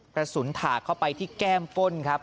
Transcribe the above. กระสุนถากเข้าไปที่แก้มข้นครับ